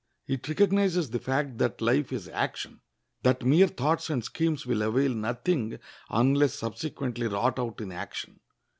It recognizes the fact that life is action; that mere thoughts and schemes will avail nothing unless subsequently wrought out in action.